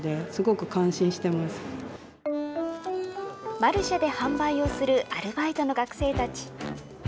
マルシェで販売をするアルバイトの学生たち。